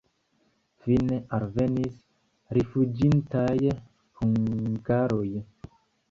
Fine alvenis rifuĝintaj hungaroj.